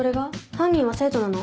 犯人は生徒なの？